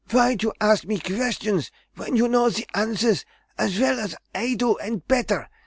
Why do you ask me questions when you know the answers as well as I do, and better?